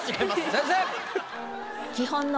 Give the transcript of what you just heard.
先生！